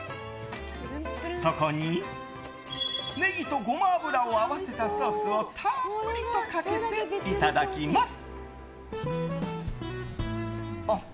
そこにネギとゴマ油を合わせたソースをたっぷりとかけていただきます。